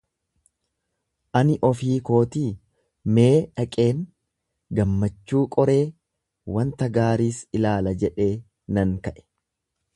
Ani ofii kootii, "Mee dhaqeen gammachuu qoree, wanta gaariis ilaala!" jedhee nan ka'e;